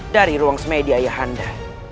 dari ruang smedia yahanda